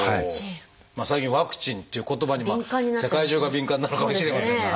最近「ワクチン」っていう言葉に世界中が敏感なのかもしれませんが。